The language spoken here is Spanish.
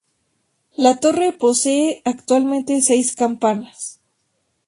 La torre posee actualmente seis campanas.